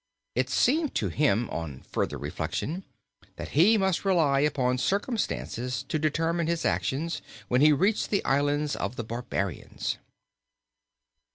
It seemed to him, on further reflection, that he must rely upon circumstances to determine his actions when he reached the islands of the barbarians.